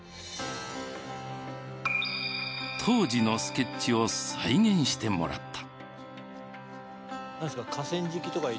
当時のスケッチを再現してもらった。